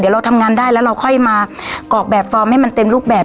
เราทำงานได้แล้วเราค่อยมากอกแบบฟอร์มให้มันเต็มรูปแบบ